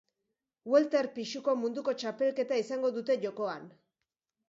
Welter pisuko munduko txapelketa izango dute jokoan.